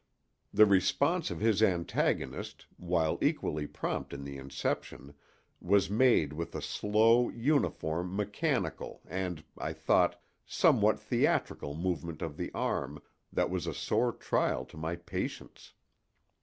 The response of his antagonist, while equally prompt in the inception, was made with a slow, uniform, mechanical and, I thought, somewhat theatrical movement of the arm, that was a sore trial to my patience.